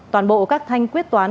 toàn bộ các thanh quyết toán